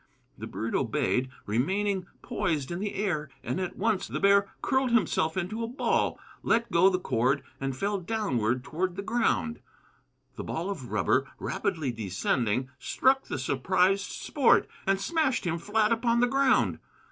The bird obeyed, remaining poised in the air; and at once the bear curled himself into a ball, let go the cord, and fell downward toward the ground. The ball of rubber, rapidly descending, struck the surprised Sport and smashed him flat upon the ground.